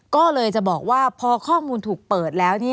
ก็เลยจะบอกว่าพอข้อมูลถูกเปิดแล้ว